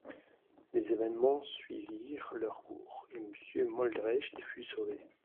Les événemens suivirent leur cours, et Monsieur Moldrecht fut sauvé.